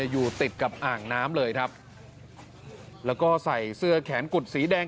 อยู่ติดกับอ่างน้ำเลยครับแล้วก็ใส่เสื้อแขนกุดสีแดง